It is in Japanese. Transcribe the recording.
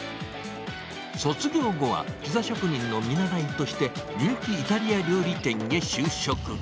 卒業後はピザ職人の見習いとして、人気イタリア料理店へ就職。